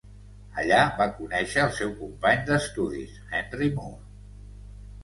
Allà va conèixer el seu company d'estudis Henry Moore.